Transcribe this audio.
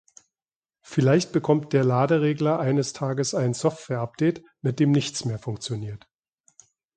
Vielleicht bekommt der Laderegler eines Tages ein Software-Update, mit dem nichts mehr funktioniert.